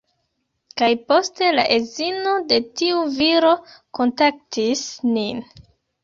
Kaj poste la edzino de tiu viro kontaktis nin